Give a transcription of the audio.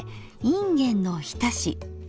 いんげんのおひたし。